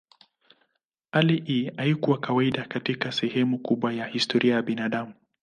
Hali hii haikuwa kawaida katika sehemu kubwa ya historia ya binadamu.